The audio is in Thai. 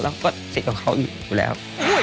แล้วก็สิทธิ์ของเขาอยู่แล้ว